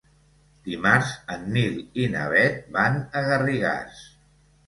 Dimarts en Nil i na Bet van a Garrigàs.